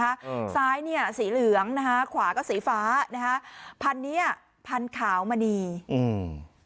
อืมซ้ายเนี้ยสีเหลืองนะคะขวาก็สีฟ้านะฮะพันเนี้ยพันขาวมณีอืม